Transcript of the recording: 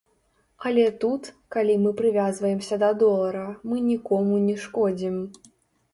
Але тут, калі мы прывязваемся да долара, мы нікому не шкодзім.